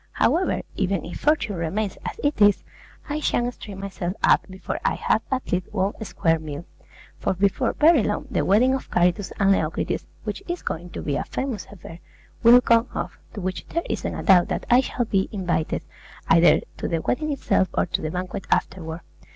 However, even if fortune remains as it is, I shan't string myself up before I have at least one square meal; for before very long, the wedding of Charitus and Leocritis, which is going to be a famous affair, will come off, to which there isn't a doubt that I shall be invited, either to the wedding itself or to the banquet afterward.